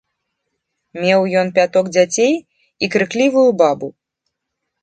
Меў ён пяток дзяцей і крыклівую бабу.